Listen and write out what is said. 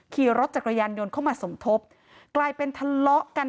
ขี่รถจักรยานยนต์เข้ามาสมทบกลายเป็นทะเลาะกัน